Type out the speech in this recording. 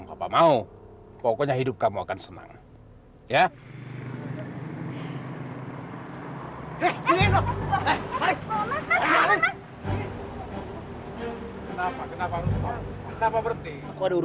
sampai jumpa di video selanjutnya